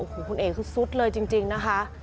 คุณเอ๋คือสุดเลยจริงนะคะ